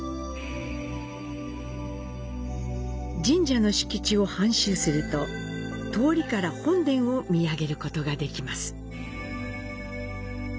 神社の敷地を半周すると、通りから本殿を見上げることができます。